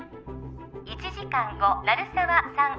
１時間後鳴沢さん